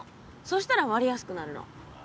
そしたら割れやすくなるの。